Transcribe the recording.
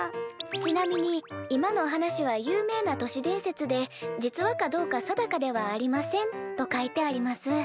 「ちなみに今の話は有名な都市伝説で実話かどうか定かではありません」と書いてあります。